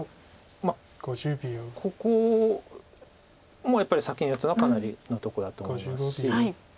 まあここもやっぱり先に打つのはかなりのとこだと思いますし。